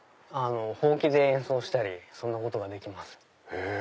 ホウキで演奏したりそんなことができます。